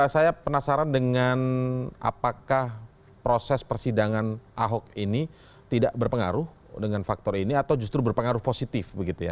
saya penasaran dengan apakah proses persidangan ahok ini tidak berpengaruh dengan faktor ini atau justru berpengaruh positif begitu ya